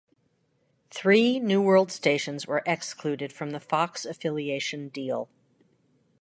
Three New World stations were excluded from the Fox affiliation deal.